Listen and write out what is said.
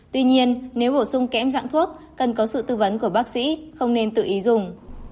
tuy nhiên nếu bổ sung kẽm dạng thuốc cần có sự tư vấn của bác sĩ không nên tự ý dùng